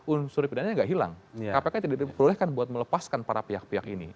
unsur pidanya gak hilang kpk tidak diperolehkan buat melepaskan para pihak pihak ini